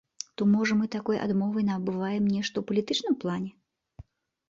То, можа, мы такой адмовай набываем нешта ў палітычным плане?